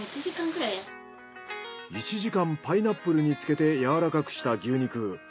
１時間パイナップルに漬けて柔らかくした牛肉。